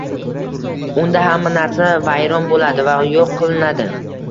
Unda hamma narsa vayron bo'ladi va yo'q qilinadi"